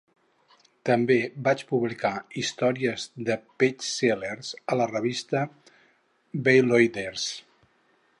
També vaig publicar històries de Peig Sayers a la revista "Béaloideas".